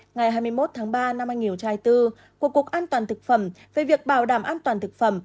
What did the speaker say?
ngày hai mươi một tháng ba năm anh hiểu trai tư của cục an toàn thực phẩm về việc bảo đảm an toàn thực phẩm